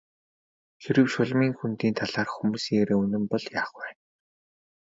Хэрэв Шулмын хөндийн талаарх хүмүүсийн яриа үнэн бол яах вэ?